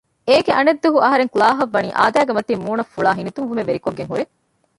އޭގެ އަނެއް ދުވަހު އަހަރެން ކުލާހަށް ވަނީ އާދައިގެ މަތިން މޫނަށް ފުޅާ ހިނިތުންވުމެއް ވެރިކޮށްގެން ހުރޭ